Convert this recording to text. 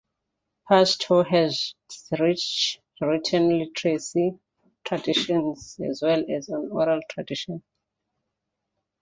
Pashto has rich written literary traditions as well as an oral tradition.